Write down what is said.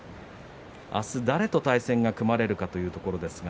明日、誰と対戦が組まれるかというところですが